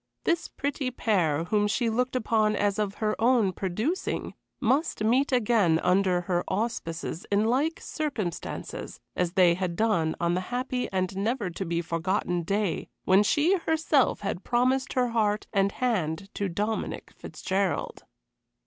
This pretty pair, whom she looked upon as of her own producing, must meet again under her auspices in like circumstances as they had done on the happy and never to be forgotten day when she herself had promised her heart and hand to Dominic Fitzgerald.